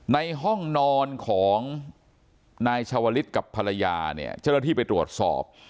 ในห้องนอนของนายชาวลิศกับภรรยาเนี่ยเจ้าหน้าที่ไปตรวจสอบ